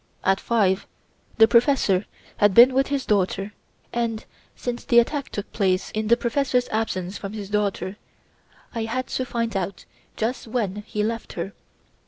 At five the professor had been with his daughter, and since the attack took place in the professor's absence from his daughter, I had to find out just when he left her.